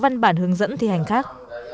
văn bản hướng dẫn thi hành khác